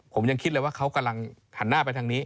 ผมยังคิดเลยว่าเขากำลังหันหน้าไปทางนี้